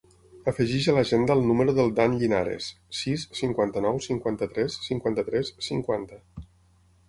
Afegeix a l'agenda el número del Dan Llinares: sis, cinquanta-nou, cinquanta-tres, cinquanta-tres, cinquanta.